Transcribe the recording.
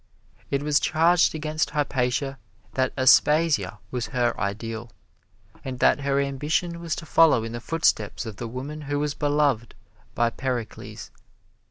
It was charged against Hypatia that Aspasia was her ideal, and that her ambition was to follow in the footsteps of the woman who was beloved by Pericles.